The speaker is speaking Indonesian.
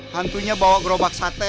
hantunya bawa gerobak sate